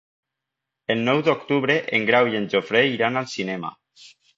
El nou d'octubre en Grau i en Jofre iran al cinema.